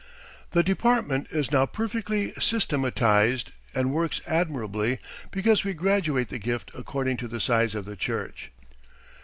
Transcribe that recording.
The department is now perfectly systematized and works admirably because we graduate the gift according to the size of the church.